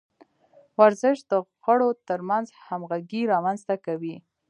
ورزش د غړو ترمنځ همغږي رامنځته کوي.